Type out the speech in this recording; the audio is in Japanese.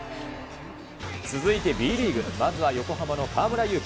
続いてＢリーグ、まずは横浜の河村勇輝。